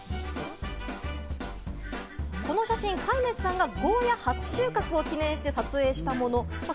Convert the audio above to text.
この写真、飼い主さんがゴーヤ初収穫を記念して撮影したもの。